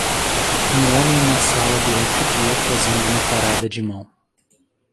Um homem em uma sala durante o dia fazendo uma parada de mão.